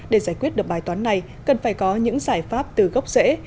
để giải quyết được bài toán này cần phải có những giải pháp từ gốc rễ